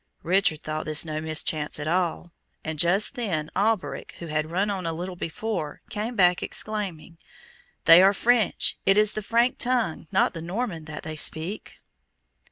Richard thought this no mischance at all, and just then, Alberic, who had run on a little before, came back exclaiming, "They are French. It is the Frank tongue, not the Norman, that they speak."